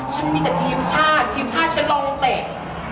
ฉันมีแต่ทีมชาติทีมชาติฉันลงเตะ